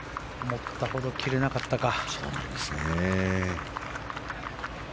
思ったほど切れなかったか。